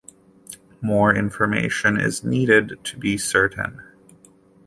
More information is needed to be certain.